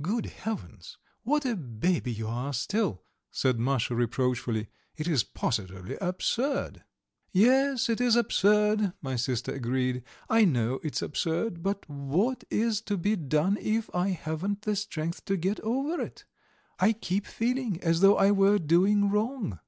"Good Heavens, what a baby you are still!" said Masha reproachfully. "It is positively absurd." "Yes, it is absurd," my sister agreed, "I know it's absurd; but what is to be done if I haven't the strength to get over it? I keep feeling as though I were doing wrong."